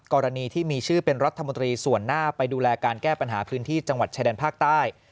กรณีที่มีชื่อเป็นรัฐมนตรีส่วนหน้าไปดูแลการแก้ปัญหาพื้นที่จังหวัดชายแดนภาคใต้